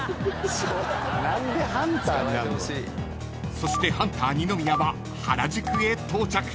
［そしてハンター二宮は原宿へ到着］